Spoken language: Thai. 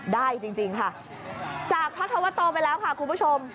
ได้จริงค่ะจากพระธวโตไปแล้วค่ะคุณผู้ชม